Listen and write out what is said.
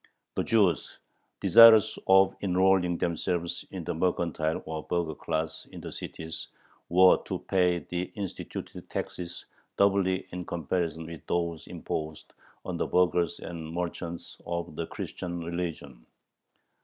The Jews, desirous of enrolling themselves in the mercantile or burgher class in the cities, were to pay the instituted taxes "doubly in comparison with those imposed on the burghers and merchants of the Christian religion."